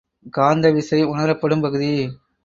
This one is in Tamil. காந்த விசை உணரப்படும் பகுதி.